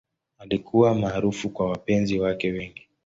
Alikuwa maarufu kwa wapenzi wake wengi.